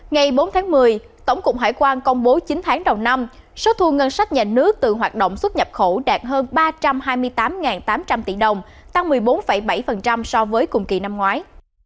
ngày bốn tháng một mươi tổng cục hải quan công bố chín tháng đầu năm số thu ngân sách nhà nước từ hoạt động xuất nhập khẩu đạt hơn ba trăm hai mươi tám tám trăm linh tỷ đồng tăng một mươi bốn bảy so với cùng kỳ năm ngoái